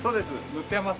塗ってます。